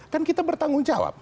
kan kita bertanggung jawab